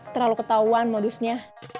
terlalu ketauan modusnya